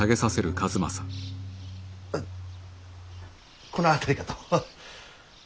あこの辺りかと。